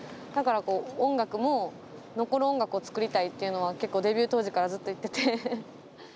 だから音楽も残る音楽を作りたいっていうのは結構デビュー当時からずっと言ってて。